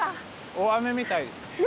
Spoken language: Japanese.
大雨みたいですね。